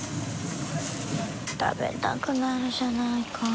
食べたくなるじゃないか。